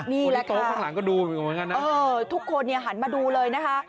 นี่แหละค่ะเออทุกคนหันมาดูเลยนะคะ